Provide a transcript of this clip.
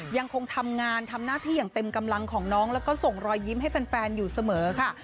ยังคงทำงานทำหน้าที่อย่างเต็มกำลังของน้องแล้วก็ส่งรอยยิ้มให้แฟนอยู่เสมอค่ะ